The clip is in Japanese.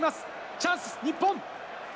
チャンス、日本。